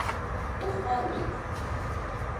Ухәмаруеит.